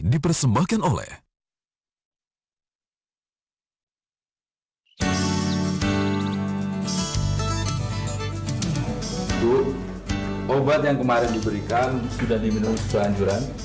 duk obat yang kemarin diberikan sudah diminum sepanjuran